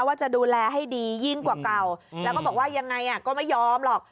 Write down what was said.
ว่าจะดูแลให้ดียิ่งกว่าเก่าแล้วก็บอกว่ายังไงก็ไม่ยอมหรอก